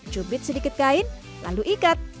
cubit sedikit kain lalu ikat